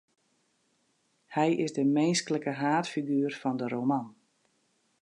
Hy is de minsklike haadfiguer fan de roman.